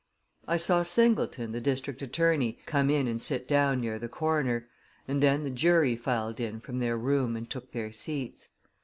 I saw Singleton, the district attorney, come in and sit down near the coroner, and then the jury filed in from their room and took their seats.